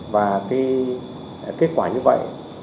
và kết quả như vậy